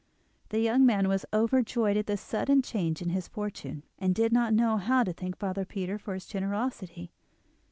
The young man was overjoyed at this sudden change in his fortunes, and did not know how to thank father Peter for his generosity.